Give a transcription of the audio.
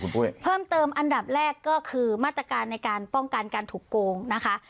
คุณปุ้ยเพิ่มเติมอันดับแรกก็คือมาตรการในการป้องกันการถูกโกงนะคะ